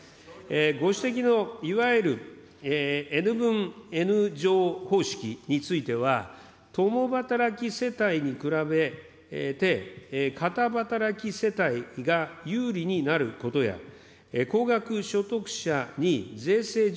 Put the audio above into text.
ご指摘のいわゆるＮ分Ｎ乗方式については、共働き世帯に比べて片働き世帯が有利になることや、高額所得者に税制上、